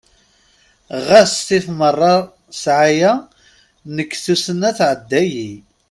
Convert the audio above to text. Ɣas tif meṛṛa sɛaya, nekk tussna tɛedda-yi.